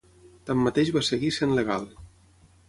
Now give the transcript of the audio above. Tanmateix va seguir sent legal.